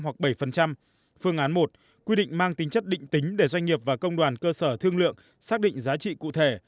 việc xây dựng thang lương bảng lương được quy định mang tính chất định tính để doanh nghiệp và công đoàn cơ sở thương lượng xác định giá trị cụ thể